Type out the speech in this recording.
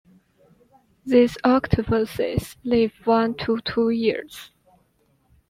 These octopuses live one to two years.